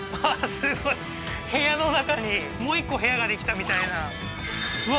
すごい部屋の中にもう一個部屋ができたみたいなうわ